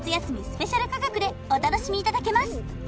スペシャル価格でお楽しみいただけます